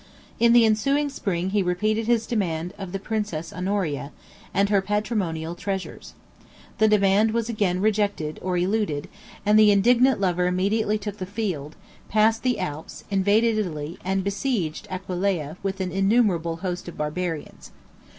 In the ensuing spring he repeated his demand of the princess Honoria, and her patrimonial treasures. The demand was again rejected, or eluded; and the indignant lover immediately took the field, passed the Alps, invaded Italy, and besieged Aquileia with an innumerable host of Barbarians.